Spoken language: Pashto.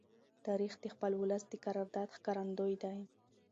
تاریخ د خپل ولس د کردار ښکارندوی دی.